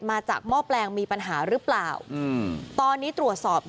ไปจากการไฟฟ้าจนน่ะ